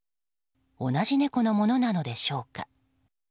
同じ猫のものなのでしょうか。